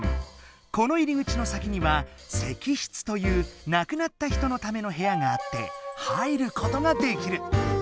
この入り口の先には「石室」という亡くなった人のための部屋があって入ることができる。